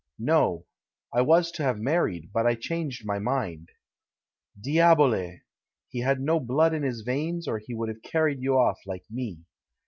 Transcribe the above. "Xo ; I was to have married, but I changed my mind." '^Dlahole! he had no blood in his veins, or he would have carried you off, like me.